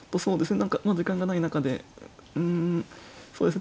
何かまあ時間がない中でうんそうですね。